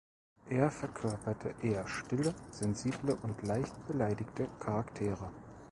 Er verkörperte eher stille, sensible und leicht beleidigte Charaktere.